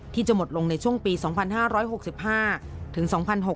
ที่จะหมดลงในช่วงปี๒๕๖๕ถึง๒๕๖๖